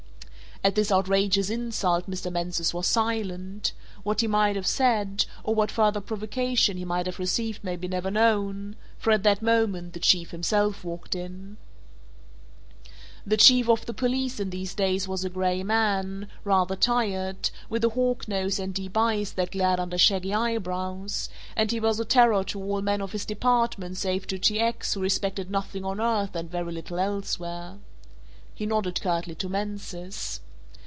At this outrageous insult Mr. Mansus was silent; what he might have said, or what further provocation he might have received may be never known, for at that moment, the Chief himself walked in. The Chief of the Police in these days was a grey man, rather tired, with a hawk nose and deep eyes that glared under shaggy eyebrows and he was a terror to all men of his department save to T. X. who respected nothing on earth and very little elsewhere. He nodded curtly to Mansus.